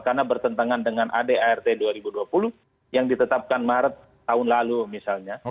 karena bertentangan dengan ad art dua ribu dua puluh yang ditetapkan maret tahun lalu misalnya